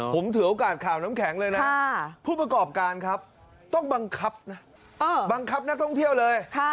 ผมถือโอกาสข่าวน้ำแข็งเลยนะผู้ประกอบการครับต้องบังคับนะบังคับนักท่องเที่ยวเลย